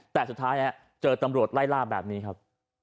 แต่สุดท้ายเจอตำรวจไล่ล่าแบบนี้ครับ